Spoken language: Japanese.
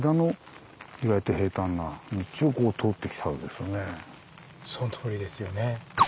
一体そのとおりですよね。